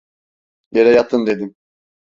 Yere yatın dedim!